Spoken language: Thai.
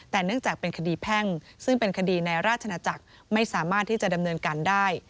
แต่เนื่องจากเป็นคดีแพ่งซึ่งเป็นคดีในราชนาจักรไม่สามารถที่จะดำเนินการได้